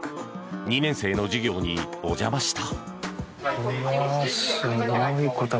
２年生の授業にお邪魔した。